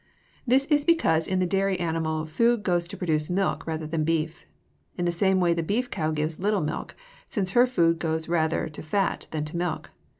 This is because in the dairy animal food goes to produce milk rather than beef. In the same way the beef cow gives little milk, since her food goes rather to fat than to milk.